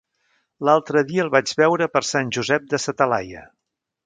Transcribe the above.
L'altre dia el vaig veure per Sant Josep de sa Talaia.